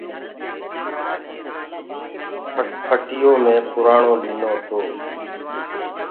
موٽر سيڪل مينٚ پُرآڻو ليٚنو تو۔